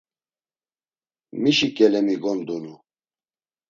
Mişi ǩelemi gondunu?